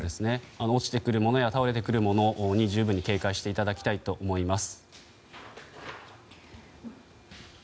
落ちてくるものや倒れてくるものに十分に警戒していただきたいと思います。